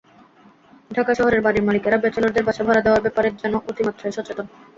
ঢাকা শহরের বাড়ির মালিকেরা ব্যাচেলরদের বাসা ভাড়া দেওয়ার ব্যাপারে যেন অতিমাত্রায় সচেতন।